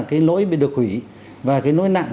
cái lỗi bị được hủy và cái lỗi nặng